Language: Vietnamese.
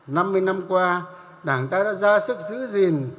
năm mươi năm qua đảng ta đã ra sức giữ gìn